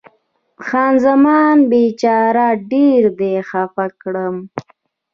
خان زمان: بیچاره، ډېر دې خفه کړم.